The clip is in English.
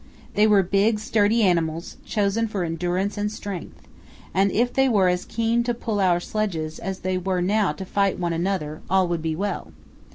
They were big, sturdy animals, chosen for endurance and strength, and if they were as keen to pull our sledges as they were now to fight one another all would be well.